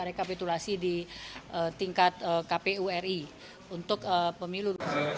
rekapitulasi di tingkat kpu ri untuk pemilu